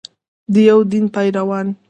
د یو دین پیروان.